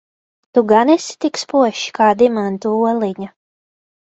Tu gan esi tik spožs kā dimanta oliņa?